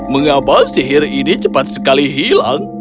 mengapa sihir ini cepat sekali hilang